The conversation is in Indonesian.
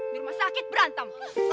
di rumah sakit berantem